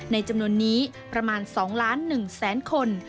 ในจำนวนนี้ประมาณ๒๑๐๐๐๐๐คน